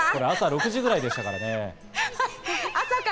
朝６時ぐらいでしたからね。